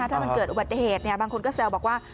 ถ้ามันเกิดอุบัติเหตุบางคนก็แซวบอกว่า